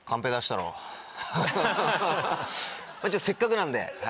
せっかくなんで。